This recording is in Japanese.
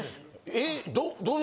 えっ。